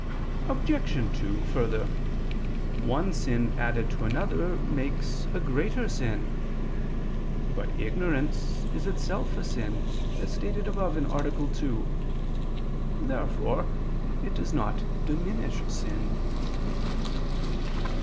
Obj. 2: Further, one sin added to another makes a greater sin. But ignorance is itself a sin, as stated above (A. 2). Therefore it does not diminish a sin.